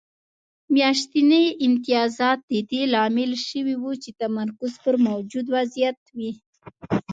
میاشتني امتیازات د دې لامل شوي وو چې تمرکز پر موجود وضعیت وي